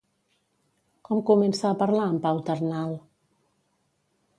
Com comença a parlar en Pau Ternal?